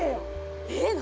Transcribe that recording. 「えっ！何？